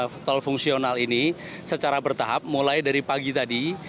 tol fungsional ini secara bertahap mulai dari pagi tadi